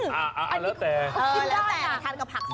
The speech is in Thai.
มันกินได้ค่ะ